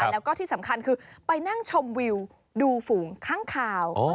แล้วก็ที่สำคัญคือไปนั่งชมวิวดูฝูงข้างคาว